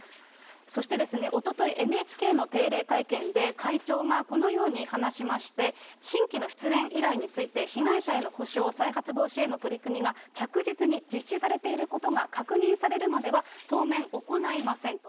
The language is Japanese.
そしてですね、おととい、ＮＨＫの定例会見で、会長がこのように話しまして、新規の出演依頼について被害者への補償、再発防止への取り組みが着実に実施されていることが確認されるまでは、当面行いませんと。